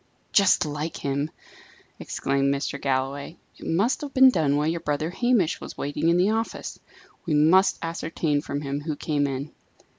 "Just like him!" exclaimed Mr. Galloway. "It must have been done while your brother Hamish was waiting in the office. We must ascertain from him who came in."